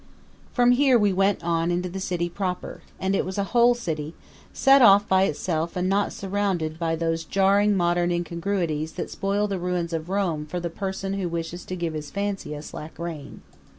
From here we went on into the city proper; and it was a whole city, set off by itself and not surrounded by those jarring modern incongruities that spoil the ruins of Rome for the person who wishes to give his fancy a slack rein.